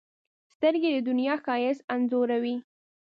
سترګې د دنیا ښایست انځوروي